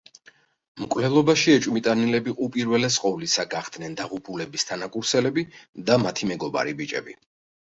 მკვლელობაში ეჭვმიტანილები უპირველეს ყოვლისა გახდნენ დაღუპულების თანაკურსელები და მათი მეგობარი ბიჭები.